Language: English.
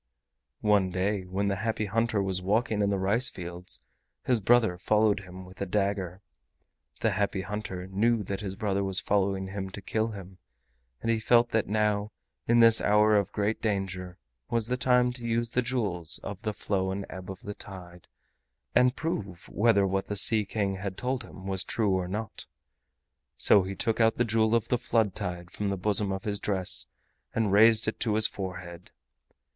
One day when the Happy Hunter was walking in the rice fields his brother followed him with a dagger. The Happy Hunter knew that his brother was following him to kill him, and he felt that now, in this hour of great danger, was the time to use the Jewels of the Flow and Ebb of the Tide and prove whether what the Sea King had told him was true or not. So he took out the Jewel of the Flood Tide from the bosom of his dress and raised it to his forehead.